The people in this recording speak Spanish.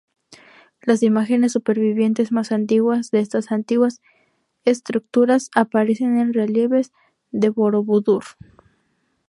Las imágenes supervivientes más antiguas de estas antiguas estructuras aparecen en relieves de Borobudur.